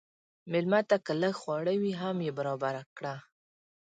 مېلمه ته که لږ خواړه وي، هم یې برابر کړه.